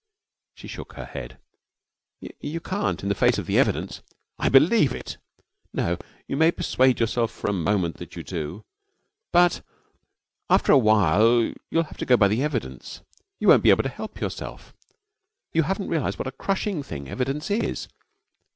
She shook her head. 'You can't in the face of the evidence.' 'I believe it.' 'No. You may persuade yourself for the moment that you do, but after a while you will have to go by the evidence. You won't be able to help yourself. You haven't realized what a crushing thing evidence is.